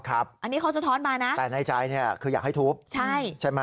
อันนี้เขาสะท้อนมานะแต่ในใจเนี่ยคืออยากให้ทุบใช่ใช่ไหม